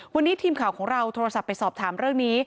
วันนี้ทีมข่าวของเราโทรศัพท์ไปสอบถามเรื่องนี้